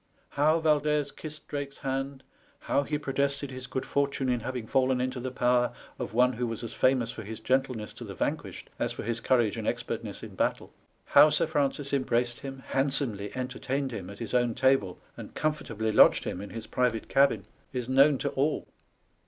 How Yaldez kissed Drake's hand, how he protested his good fortune in having fallen into the power of one who was as famous for his gentleness to the vanquished as for his courage and expertness in battle, how Sir Francis embraced him, handsomely entertained him at his own table, and comfortably lodged him in his private cabin SOG SPANISH ASMADA. is known to all.